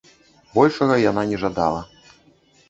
Большага яна не жадала.